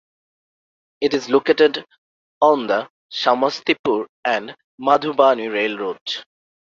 It is located on the Samastipur and Madhubani rail route.